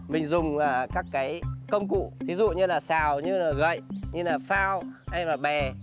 mình dùng các cái công cụ ví dụ như là xào như là gậy như là phao hay là bè